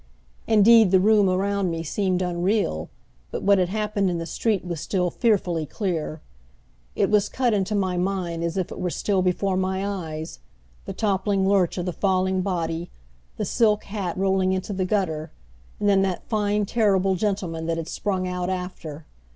Indeed the room around me seemed unreal, but what had happened in the street was still fearfully clear. It was cut into my mind as if it were still before my eyes, the toppling lurch of the falling body, the silk hat rolling into the gutter, and then that fine terrible gentleman that had sprung out after.